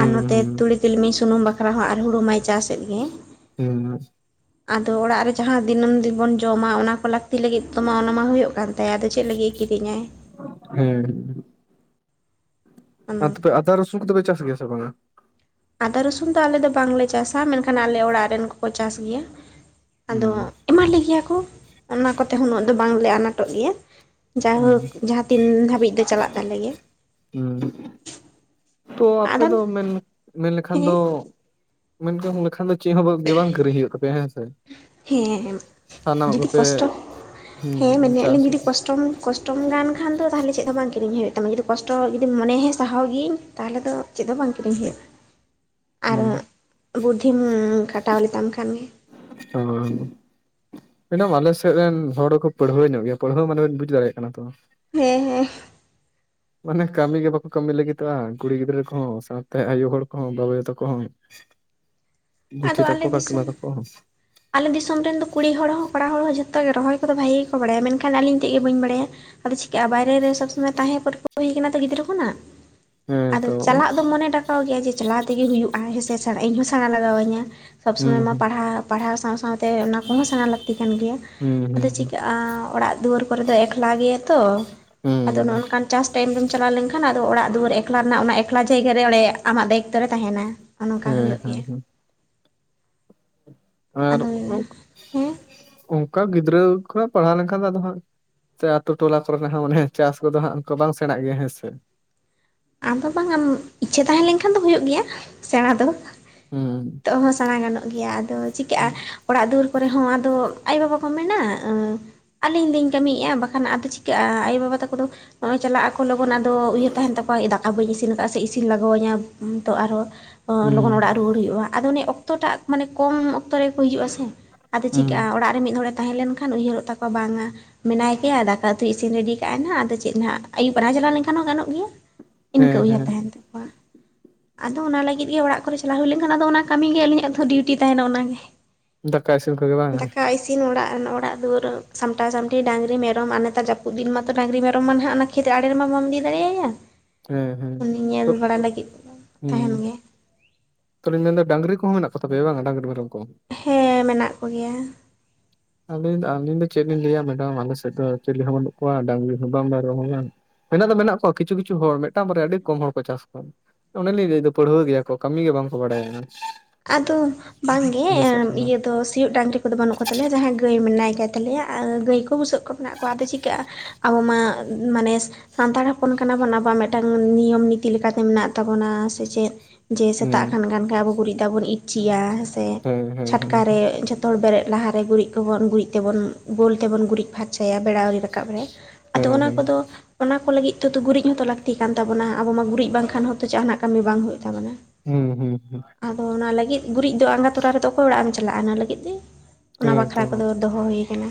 ᱟᱨ ᱱᱚᱛᱮ ᱦᱩᱸ ᱛᱩᱲᱤ ᱛᱤᱞᱢᱤᱧ ᱥᱩᱱᱩᱢ ᱵᱟᱠᱷᱨᱟ ᱦᱚᱸ ᱟᱨ ᱦᱩᱲᱩ ᱢᱟᱭ ᱪᱟᱥ ᱮᱫ ᱜᱮ ᱦ ᱟᱫᱚ ᱚᱲᱟᱜ ᱨᱮ ᱡᱟᱦᱟᱸ ᱫᱤᱱᱟᱹᱢ ᱫᱤᱱᱵᱚᱱ ᱡᱚᱢᱟ ᱚᱱᱟ ᱠᱚ ᱞᱟᱹ ᱛᱤ ᱞᱟᱹᱜᱤᱫ ᱛᱚ ᱢᱟ ᱚᱱᱟ ᱢᱟ ᱦᱩᱭᱩᱜ ᱠᱟᱱ ᱛᱟᱭᱟ ᱟᱫᱚ ᱪᱮᱫ ᱞᱟᱹᱜᱤᱫ ᱮ ᱠᱤᱨᱤᱧᱟᱭ? ᱦᱩᱸ᱾ ᱚᱱᱮ ᱟᱨ ᱛᱚᱯᱮ ᱚᱱᱠᱟ ᱟᱫᱟ ᱨᱚᱥᱩᱱ ᱠᱚᱫᱚ ᱯᱮ ᱪᱟᱥ ᱜᱮᱭᱟ ᱥᱮ ᱵᱟᱝᱟ? ᱟᱫᱟ ᱨᱚᱥᱩᱱ ᱫᱚ ᱟᱞᱮ ᱫᱚ ᱵᱟᱝᱞᱮ ᱪᱟᱥᱟ ᱢᱮᱱᱠᱷᱟᱱ ᱟᱞᱮ ᱚᱲᱟᱜ ᱨᱮᱱ ᱠᱚᱠᱚ ᱪᱟᱥ ᱜᱮᱭᱟ᱾ ᱟᱫᱚ ᱦᱩᱸ ᱮᱢᱟ ᱞᱮ ᱜᱮᱭᱟ ᱠᱚ, ᱚᱱᱟ ᱠᱚᱛᱮ ᱩᱱᱟᱹᱜ ᱦᱚᱸ ᱵᱟᱝᱞᱮ ᱟᱱᱟᱴᱚᱜ ᱜᱮᱭᱟ᱿ ᱦᱩᱸ ᱡᱟᱭᱦᱳᱠ ᱡᱟᱦᱟᱸ ᱛᱤᱱ ᱫᱷᱟᱹᱵᱤᱡ ᱫᱚ ᱪᱟᱞᱟᱜ ᱛᱟᱞᱮ ᱜᱮᱭᱟ ᱾ ᱦᱩᱸ ᱛᱚ ᱟᱯᱮ ᱟᱫᱚ ᱫᱚ ᱢᱮᱱ ᱢᱮᱱ ᱞᱮᱠᱷᱟᱱ ᱫᱚ ᱦᱮᱸ ᱢᱮᱱ ᱡᱚᱝ ᱞᱮᱠᱷᱟᱱᱮ ᱪᱮᱜ ᱦᱚᱸ ᱵᱟᱜ ᱜᱮ ᱵᱟᱝ ᱠᱤᱨᱤᱧ ᱦᱩᱭᱩᱜ ᱛᱟᱯᱮᱭᱟ ᱦᱮᱸ ᱥᱮ ᱾ ᱦᱮᱸ ᱮᱢ ᱡᱩᱫᱤ ᱠᱚᱥᱴᱚ ᱦᱮᱸ ᱦᱩᱸ ᱢᱮᱱᱮᱜ ᱪᱟᱥ ᱞᱤᱧ ᱡᱩᱫᱤ ᱟᱯᱮ᱾ ᱠᱚᱥᱴᱚᱢ ᱠᱚᱥ ᱴᱚᱢ ᱜᱟᱱ ᱠᱷᱟᱱ ᱫᱚ ᱛᱟᱦᱚᱞᱮ ᱪᱮᱫ ᱦᱚᱸ ᱵᱟᱝ ᱠᱤᱨᱤᱧ ᱦᱩᱭᱩᱜ ᱛᱟᱢᱟ ᱡᱩᱫᱤ ᱠᱚᱥᱴ ᱡᱩᱫᱤᱢ ᱢᱚᱱᱮ ᱦᱮᱸ ᱥᱟᱦᱟᱣ ᱜᱤᱭᱟᱹᱧ ᱛᱟᱦᱚᱞᱮ ᱫᱚ ᱪᱮᱫ ᱦᱚᱸ ᱵᱟᱝ ᱠᱤᱨᱤᱧ ᱦᱩᱭᱩᱜᱼᱟ ᱾ [inaudible] ᱟᱨ ᱵᱩᱨᱫᱷᱤᱢ ᱠᱷᱟᱴᱟᱣ ᱞᱮᱛᱟᱢ ᱠᱷᱟᱱᱜᱮ ᱾ [unintelligible] ᱢᱮᱰᱟᱢ ᱟᱞᱮ ᱥᱮᱜ ᱨᱮᱱ ᱦᱚᱲ ᱦᱚᱸᱠᱚ ᱯᱟᱹᱲᱦᱟᱹ ᱧᱚᱜ ᱜᱮᱭᱟ ᱯᱟᱹᱲᱦᱟᱹ ᱢᱟᱱᱮ ᱵᱩᱡ ᱫᱟᱲᱮᱭᱟᱜ ᱠᱟᱱᱟ ᱛᱚ ᱾ ᱦᱮᱸ ᱦᱮᱸ ᱢᱟᱱᱮ ᱠᱟᱹᱢᱤ ᱜᱮ ᱵᱟᱠᱚ ᱠᱟᱹᱢᱤ ᱞᱟᱹᱜᱤᱫᱚᱜᱼᱟ ᱠᱩᱲᱤ ᱜᱤᱫᱽᱨᱟᱹ ᱠᱚᱦᱚᱸ ᱥᱟᱶᱛᱮ ᱟᱭᱳ ᱦᱚᱲ ᱠᱚᱦᱚᱸ ᱵᱟᱵᱟ ᱟᱭᱳ ᱛᱟᱠᱚ ᱦᱚᱸ ᱾ [inaudible] ᱟᱫᱚ ᱟᱞᱮ ᱫᱤᱥᱚᱢ ᱟᱞᱮ ᱫᱤᱥᱚᱢ ᱨᱮᱱ ᱫᱚ ᱠᱩᱲᱤ ᱦᱚᱲ ᱦᱚᱸ ᱠᱚᱲᱟ ᱦᱚᱲ ᱦᱚᱸ ᱡᱷᱚᱛᱚ ᱜᱮ ᱨᱚᱦᱚᱭ ᱠᱚᱫᱚ ᱵᱷᱟᱜᱮ ᱜᱮᱠᱚ ᱵᱟᱲᱟᱭᱟ ᱢᱮᱱᱠᱷᱟᱱ ᱟᱹᱞᱤᱧ ᱛᱮᱜ ᱜᱮ ᱵᱟᱹᱧ ᱵᱟᱲᱟᱭᱟ ᱾ ᱟᱫᱚ ᱪᱤᱠᱟᱹᱜ-ᱟ ᱵᱟᱭᱨᱮ ᱨᱮ ᱥᱚᱵᱽ ᱥᱚᱢᱚᱭ ᱛᱟᱦᱮᱸ ᱯᱟᱹᱨᱠᱟᱣ ᱦᱩᱭ ᱠᱟᱱᱟ ᱛᱚ ᱜᱤᱫᱽᱨᱟᱹ ᱠᱷᱚᱱᱟᱜ ᱾ ᱦᱮᱸ ᱟᱫᱚ ᱛᱚ ᱪᱟᱞᱟᱜ ᱫᱚ ᱢᱚᱱᱮ ᱰᱟᱠᱟᱣ ᱜᱮᱭᱟ ᱡᱮ ᱪᱟᱞᱟᱣ ᱛᱮᱜᱮ ᱦᱩᱭᱩᱜ-ᱟ ᱦᱮᱸᱥᱮ ᱥᱮ ᱤᱧ ᱦᱚᱸ ᱥᱮᱬᱟ ᱞᱟᱜᱟᱣ ᱤᱧᱟᱹ ᱾ ᱥᱚᱵᱽ ᱦᱩᱸ ᱥᱚᱢᱚᱭ ᱢᱟ ᱦᱩᱸ ᱯᱟᱲᱦᱟᱣ ᱯᱟᱲᱦᱟᱣ ᱥᱟᱶ ᱥᱟᱶᱛᱮ ᱚᱱᱟ ᱠᱚᱦᱚᱸ ᱥᱮᱬᱟ ᱞᱟᱹᱠᱛᱤ ᱠᱟᱱ ᱜᱮᱭᱟ ᱦᱩᱸ ᱟᱫᱚ ᱦᱩᱸ ᱪᱤᱠᱟᱹᱜ-ᱟ ᱾ ᱟ ᱚᱲᱟᱜ ᱫᱩᱣᱟᱹᱨ ᱠᱚᱨᱮ ᱫᱚ ᱮᱠᱞᱟ ᱜᱮᱭᱟ ᱛᱚ ᱟᱫᱚ ᱦᱩᱸ ᱱᱚᱜ-ᱚ ᱱᱚᱝᱠᱟᱱ ᱪᱟᱥ ᱴᱟᱭᱤᱢ ᱨᱮᱢ ᱪᱟᱞᱟᱣ ᱞᱮᱱᱠᱷᱟᱱ ᱟᱫᱚ ᱚᱲᱟᱜ ᱫᱩᱣᱟᱹᱨ ᱮᱠᱞᱟ ᱨᱮᱱᱟᱜ ᱚᱱᱟ ᱮᱠᱞᱟ ᱡᱟᱭᱜᱟᱨᱮ ᱚᱸᱰᱮ ᱟᱢᱟᱜ ᱫᱟᱭᱤᱛᱛᱚ ᱨᱮ ᱛᱟᱦᱮᱱᱟ ᱾ ᱦᱚᱸᱼᱚ ᱱᱚᱝᱠᱟ ᱦᱮᱸ ᱦᱩᱭᱩᱜ ᱦᱮᱸ ᱜᱮᱭᱟ ᱾ ᱦᱮᱸ ᱟᱨ ᱟᱫᱚ ᱦᱮᱸ ᱚᱱᱠᱟ ᱜᱤᱫᱽᱨᱟᱹ ᱠᱷᱚᱱᱟᱜ ᱯᱟᱲᱦᱟᱣ ᱞᱮᱱᱠᱷᱟᱱ ᱫᱚ ᱟᱫᱚ ᱦᱟᱸᱜ ᱥᱮ ᱟᱛᱳ ᱴᱚᱞᱟ ᱠᱚᱨᱮᱱᱟᱜ ᱦᱚᱸ ᱢᱟᱱᱮ ᱪᱟᱥ ᱠᱚᱫᱚ ᱦᱟᱸᱜ ᱚᱱᱠᱟ ᱵᱟᱝ ᱥᱮᱬᱟᱜ ᱜᱮᱭᱟ ᱦᱮᱸ ᱥᱮ ᱾ ᱟᱢᱫᱚ ᱵᱟᱝ ᱟᱢ ᱤᱪᱪᱷᱟᱹ ᱛᱟᱦᱮᱸ ᱞᱮᱱᱠᱷᱟᱱ ᱫᱚ ᱦᱩᱭᱩᱜ ᱜᱮᱭᱟ ᱥᱮᱬᱟ ᱫᱚ ᱾ ᱦᱩᱸ ᱱᱤᱛᱚᱜ ᱦᱚᱸ ᱥᱮᱬᱟ ᱜᱟᱱᱚᱜ ᱜᱮᱭᱟ ᱟᱫᱚ ᱪᱤᱠᱟᱹᱜᱼᱟ ᱦᱩᱸ ᱾ ᱚᱲᱟᱜ ᱫᱩᱣᱟᱹᱨ ᱠᱚᱨᱮ ᱦᱚᱸ ᱟᱫᱚ ᱟᱭᱳ ᱵᱟᱵᱟ ᱠᱚ ᱢᱮᱱᱟ ᱮᱸ ᱾ ᱟᱹᱞᱤᱧ ᱞᱤᱧ ᱠᱟᱹᱢᱤᱭᱮᱼᱟ ᱵᱟᱠᱷᱟᱱ ᱟᱫᱚ ᱪᱤᱠᱟᱹᱜᱼᱟ ᱟᱭᱳ ᱵᱟᱵᱟ ᱛᱟᱠᱚ ᱫᱚ ᱦᱚᱜ-ᱚᱭ ᱪᱟᱞᱟᱜ ᱟᱠᱚ ᱞᱚᱜᱚᱱ ᱟᱫᱚ ᱩᱭᱦᱟᱹᱨ ᱛᱟᱦᱮᱱ ᱛᱟᱠᱚᱣᱟ ᱫᱟᱠᱟ ᱵᱟᱹᱧ ᱤᱥᱤᱱ ᱟᱠᱟᱜ-ᱟ ᱥᱮ ᱤᱥᱤᱱ ᱞᱟᱜᱟᱣ ᱟᱹᱧᱟᱹ ᱩᱸ ᱛᱚ ᱟᱨᱦᱚ ᱞᱚᱜᱚᱱ ᱦᱩᱸ ᱚᱲᱟᱜ ᱨᱩᱣᱟᱹᱲ ᱦᱩᱭᱩᱜᱼᱟ ᱟᱫᱚ ᱚᱱᱮ ᱚᱠᱛᱚᱴᱟᱜ ᱢᱟᱱᱮ ᱠᱚᱢ ᱚᱠᱛᱚ ᱨᱮᱠᱚ ᱦᱤᱡᱩᱜᱼᱟ ᱥᱮ ᱾ ᱟᱫᱚ ᱪᱤᱠᱟᱹᱜᱼᱟ ᱚᱲᱟᱜ ᱨᱮ ᱢᱤᱫ ᱦᱚᱲᱮ ᱛᱟᱦᱮᱸ ᱞᱮᱱᱠᱷᱟᱱ ᱩᱭᱦᱟᱹᱨᱚᱜ ᱛᱟᱠᱚᱣᱟ ᱵᱟᱝ-ᱟ ᱾ ᱢᱮᱱᱟᱭ ᱠᱮᱭᱟ ᱫᱟᱠᱟ ᱩᱛᱩᱭ ᱤᱥᱤᱱ ᱨᱮᱰᱤ ᱠᱟᱜ ᱟᱭ ᱦᱟᱸᱜ ᱟᱫᱚ ᱪᱮᱫ ᱱᱟᱜ ᱟᱫᱚ ᱟᱭᱩᱵ ᱯᱟᱨᱟ ᱪᱟᱞᱟᱣ ᱞᱮᱱᱠᱷᱟᱱ ᱦᱚᱸ ᱜᱟᱱᱚᱜ ᱜᱮᱭᱟ ᱾ ᱤᱱᱠᱟᱹ ᱦᱮᱸ ᱩᱭᱦᱟᱹᱨ ᱦᱮᱸ ᱛᱟᱦᱮᱱ ᱛᱟᱠᱚᱣᱟ ᱾ ᱟᱫᱚ ᱚᱱᱟ ᱞᱟᱹᱜᱤᱫ ᱜᱮ ᱚᱲᱟᱜ ᱠᱚᱨᱮ ᱪᱟᱞᱟᱣ ᱦᱩᱭ ᱞᱮᱱᱠᱷᱟᱱ ᱟᱫᱚ ᱚᱱᱟ ᱠᱟᱹᱢᱤ ᱜᱮ ᱟᱹᱞᱤᱧᱟᱜ ᱫᱚ ᱰᱤᱭᱩᱴᱤ ᱛᱟᱦᱮᱱᱟ ᱚᱱᱟᱜᱮ ᱾ ᱫᱟᱠᱟ ᱤᱥᱤᱱ ᱠᱚᱜᱮ ᱵᱟᱝ ᱼᱟ ᱾ ᱤᱥᱤᱱ ᱚᱲᱟᱜ ᱨᱮ ᱚᱲᱟᱜ ᱫᱩᱣᱟᱹᱨ ᱥᱟᱢᱴᱟᱣ ᱥᱟᱢᱴᱤ ᱰᱟᱝᱨᱤ ᱢᱮᱨᱚᱢ ᱟᱨ ᱱᱮᱛᱟᱨ ᱡᱟᱹᱯᱩᱫ ᱫᱤᱱ ᱢᱟᱛᱚ ᱰᱟᱝᱨᱤ ᱢᱮᱨᱚᱢ ᱢᱟ ᱱᱟᱦᱟᱜ ᱠᱷᱮᱛ ᱟᱲᱮ ᱨᱮᱢᱟ ᱵᱟᱢ ᱤᱫᱤ ᱫᱟᱲᱮ ᱟᱭᱟ ᱾ ᱦᱮᱸ ᱦᱮᱸ ᱛᱟᱦᱮᱱ ᱦᱩᱸ ᱾ ᱜᱮ ᱛᱚ ᱞᱤᱧ ᱢᱮᱱᱫᱟ ᱰᱟᱝᱨᱤ ᱠᱚᱦᱚᱸ ᱢᱮᱱᱟᱜ ᱠᱚ ᱛᱟᱯᱮᱭᱟ ᱵᱟᱝ ᱰᱟᱝᱨᱤ ᱢᱮᱨᱚᱢ ᱠᱚ ᱾ ᱦᱮᱸ ᱢᱮᱱᱟᱜ ᱠᱚ ᱜᱮᱭᱟ ᱾ ᱟᱹᱞᱤᱧ ᱫᱚ ᱟᱹᱞᱤᱧ ᱫᱚ ᱪᱮᱜ ᱵᱮᱱ ᱞᱟᱹᱭᱟ ᱢᱮᱰᱟᱢ ᱟᱞᱮ ᱥᱮᱫ ᱫᱚ ᱪᱤᱞᱤ ᱦᱚᱸ ᱵᱟᱹᱱᱩᱜ ᱠᱚᱣᱟ ᱰᱟᱝᱨᱤ ᱦᱚᱸ ᱵᱟᱝ ᱢᱮᱨᱚᱢ ᱦᱚᱸ ᱵᱟᱝ ᱾ ᱢᱮᱱᱟᱜ ᱫᱚ ᱢᱮᱱᱟᱜ ᱠᱚᱣᱟ ᱠᱤᱪᱷᱩ ᱠᱤᱪᱷᱩ ᱦᱚᱲ ᱢᱤᱫᱴᱟᱝ ᱢᱟᱨᱟᱭᱟ ᱟᱹᱰᱤ ᱠᱚᱢ ᱦᱚᱲ ᱠᱚ ᱪᱟᱥ ᱠᱚᱣᱟ ᱾ ᱚᱱᱮᱞᱤᱧ ᱞᱟᱹᱭ ᱫᱟ ᱯᱟᱹᱲᱣᱟᱹ ᱜᱮᱭᱟ ᱠᱚ ᱠᱟᱹᱢᱤ ᱜᱮ ᱵᱟᱝᱠᱚ ᱵᱟᱲᱟᱭᱟ ᱾ ᱟᱫᱚ ᱵᱟᱝᱜᱮ ᱤᱭᱟᱹ ᱫᱚ ᱥᱤᱭᱳᱜ ᱰᱟᱝᱨᱤ ᱩᱱ ᱠᱚᱫᱚ ᱵᱟᱹᱱᱩᱜ ᱠᱚᱛᱟᱞᱮᱭᱟ ᱡᱟᱦᱟᱸᱭ ᱜᱟᱹᱭ ᱢᱮᱱᱟᱭ ᱠᱟᱭ ᱛᱟᱞᱮᱭᱟ ᱜᱟᱹᱭ ᱠᱚ ᱵᱩᱥᱟᱹᱜ ᱠᱚ ᱢᱮᱱᱟᱜ ᱠᱚᱣᱟ ᱟᱫᱚ ᱪᱤᱠᱟᱹᱜᱼᱟ ᱟᱵᱚ ᱢᱟ ᱢᱟᱱᱮ ᱥᱟᱱᱛᱟᱲ ᱦᱚᱯᱚᱱ ᱠᱟᱱᱟ ᱵᱚᱱ ᱟᱵᱚᱣᱟᱜ ᱢᱤᱫᱴᱟᱱ ᱱᱤᱭᱚᱢ ᱱᱤᱛᱤ ᱞᱮᱠᱟᱛᱮ ᱢᱮᱱᱟᱜ ᱛᱟᱵᱚᱱᱟ ᱥᱮ ᱪᱮᱫ ᱡᱮ ᱦᱩᱸ ᱥᱮᱛᱟᱜ ᱠᱷᱟᱱ ᱜᱟᱱ ᱠᱷᱟᱱ ᱟᱵᱚ ᱜᱩᱨᱤᱡ ᱫᱟᱜ ᱵᱚᱱ ᱤᱪᱪᱤᱭᱟ ᱥᱮ ᱦᱮᱸ ᱦᱮᱸ ᱪᱷᱟᱴᱠᱟᱨᱮ ᱦᱮᱸ ᱡᱚᱛᱚ ᱡᱚᱛ ᱦᱚᱲ ᱵᱮᱨᱮᱫ ᱞᱟᱦᱟᱨᱮ ᱜᱩᱨᱤᱡ ᱠᱚᱵᱚᱱ ᱜᱩᱨᱤᱡ ᱛᱮᱵᱚᱱ ᱜᱳᱞ ᱛᱮᱵᱚᱱ ᱜᱩᱨᱤᱡᱽ ᱯᱷᱟᱸ ᱪᱟᱭᱟ ᱵᱮᱲᱟ ᱟᱹᱣᱨᱤ ᱨᱟᱠᱟᱵ ᱨᱮ ᱟᱫᱚ ᱦᱮᱸ ᱚᱱᱟ ᱦᱮᱸ ᱠᱚᱫᱚ ᱚᱱᱟ ᱠᱚ ᱞᱟᱹᱜᱤᱫ ᱛᱮᱫᱚ ᱜᱩᱨᱤᱡ ᱦᱚᱸᱛᱚ ᱞᱟᱹᱠᱛᱤ ᱠᱟᱱ ᱛᱟᱵᱚᱱᱟ ᱟᱵᱚ ᱢᱟ ᱜᱩᱨᱤᱡ ᱵᱟᱝᱠᱷᱟᱱ ᱦᱚᱸᱛᱚ ᱡᱟᱦᱟᱱᱟᱜ ᱠᱟᱹᱢᱤ ᱵᱟᱝ ᱦᱩᱭᱩᱜ ᱛᱟᱵᱚᱱᱟ᱾ ᱦᱩᱸ ᱦᱩᱸ ᱦᱩᱸ ᱟᱫᱚ ᱚᱱᱟ ᱞᱟᱹᱜᱤᱫ ᱜᱩᱨᱤᱡ ᱫᱚ ᱟᱸᱜᱟ ᱛᱚᱨᱟ ᱨᱮᱫᱚ ᱚᱠᱚᱭ ᱚᱲᱟᱜ ᱮᱢ ᱪᱟᱞᱟᱜᱼᱟ ᱚᱱᱟ ᱞᱟᱹᱜᱤᱫ ᱜᱮ ᱚᱱᱟ ᱦᱮᱸ ᱵᱟᱠᱷᱨᱟ ᱛᱚ ᱠᱚᱫᱚ ᱫᱚᱦᱚ ᱦᱩᱭ ᱟᱠᱟᱱᱟ,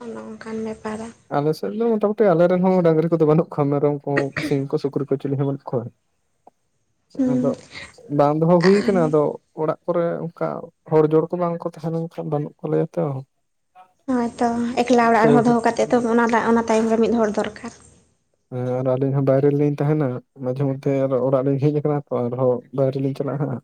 ᱚᱱᱮ ᱚᱱᱠᱟᱱ ᱵᱮᱯᱟᱨ ᱟᱞᱮᱥᱮᱫ ᱫᱚ ᱢᱚᱴᱟᱼ ᱢᱩᱴᱤ ᱟᱞᱮᱨᱮᱱ ᱦᱚᱸ ᱰᱟᱝᱨᱤ ᱠᱚᱫᱚ ᱵᱟᱹᱱᱩᱜ ᱠᱚᱣᱟ ᱢᱮᱨᱚᱢ ᱠᱚ ᱥᱤᱢ ᱠᱚ ᱥᱩᱠᱨᱤ ᱠᱚ ᱪᱤᱞᱤ ᱦᱚᱸ ᱵᱟᱹᱱᱩᱜ ᱠᱷᱚᱣᱟ ᱟᱫᱚ ᱵᱟᱝ ᱫᱚᱦᱚ ᱦᱩᱭᱩ ᱠᱟᱱᱟ ᱟᱫᱚ ᱚᱲᱟᱜ ᱠᱚᱨᱮ ᱚᱱᱠᱟ ᱦᱚᱲ ᱡᱳᱲ ᱠᱚ ᱵᱟᱝ ᱠᱚ ᱛᱟᱦᱮᱸ ᱞᱮᱱᱠᱷᱟᱱ ᱵᱟᱹᱱᱩᱜ ᱠᱚ ᱞᱟᱹᱭᱟ ᱛᱚ ᱦᱮᱸᱛᱚ ᱮᱠᱞᱟ ᱚᱲᱟᱜ ᱯᱮ ᱨᱮᱦᱚᱸ ᱫᱚᱦᱚ ᱠᱟᱛᱮᱫ ᱛᱚ ᱚᱱᱟ ᱚᱱᱟ ᱛᱟᱭᱚᱢ ᱨᱮ ᱢᱤᱫ ᱦᱚᱲ ᱫᱚᱨᱠᱟᱨ ᱦᱮᱸ ᱟᱨ ᱟᱹᱞᱤᱧ ᱦᱚᱸ ᱵᱟᱭᱨᱮ ᱨᱮᱞᱤᱧ ᱛᱟᱦᱮᱱᱟ ᱢᱟᱡᱷᱮ ᱢᱚᱫᱽᱫᱷᱮ ᱟᱨᱚ ᱚᱲᱟᱜ ᱞᱤᱧ ᱦᱮᱡ ᱟᱠᱟᱱᱟ ᱛᱚ ᱟᱨᱦᱚᱸ ᱵᱟᱭᱨᱮ ᱞᱤᱧ ᱪᱟᱞᱟᱜᱼᱟᱜ